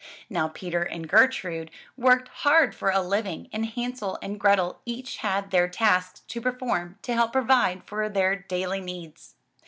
Now Peter and Gertrude worked hard for a living and Hansel and Grethel each had their tasks to perform to help provide for their daily needs.